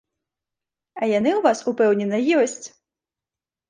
А яны ў вас, упэўнена, ёсць!